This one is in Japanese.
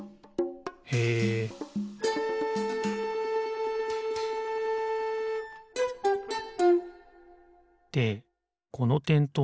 へえでこのてんとう